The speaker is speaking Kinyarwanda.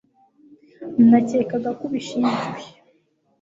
nakekaga ko ubishinzwe